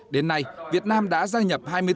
đến nay việt nam đã gia nhập hai mươi bốn tổ chức